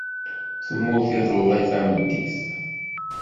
Temmut iḍelli tameddit.